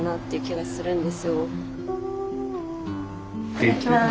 いただきます。